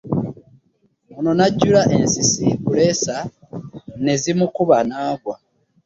Ono n'ajjula ensisi, ppuleesa ne zimukuba n'agwa